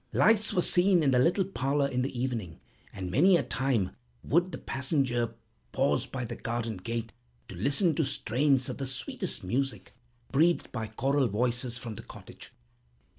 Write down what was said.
Lights were seen in the little parlor in the evening, and many a time would the passenger pause by the garden gate to listen to strains of the sweetest music, breathed by choral voices from the cottage.